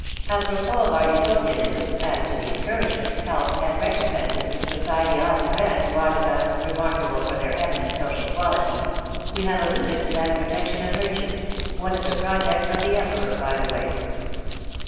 Apropos of our utopianisms, as to the encouragement, help, and recompenses which society ought to grant to artisans remarkable for their eminent social qualities, we have alluded to that protection of virtue (one of the projects of the Emperor, by the way).